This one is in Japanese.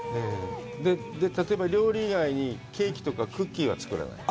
例えば、料理以外にケーキとかクッキーは作らないの？